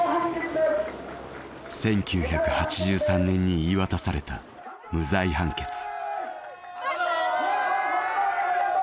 １９８３年に言い渡された無罪判決。